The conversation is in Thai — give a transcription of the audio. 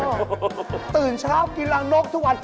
ตื่นเช้ากินรังนกทุกวัน